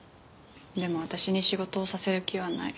でも私に仕事をさせる気はない。